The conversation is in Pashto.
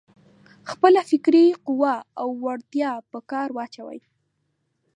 خپله فکري قوه او وړتيا په کار واچوي.